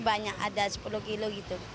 banyak ada sepuluh kilo gitu